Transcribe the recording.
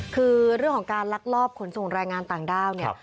คือเรื่องของการลักลอบขนส่งแรงงานต่างด้าวเนี่ย